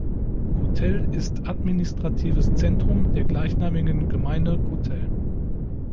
Kotel ist administratives Zentrum der gleichnamigen Gemeinde Kotel.